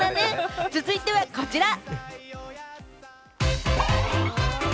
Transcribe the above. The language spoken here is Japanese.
続いてはこちら。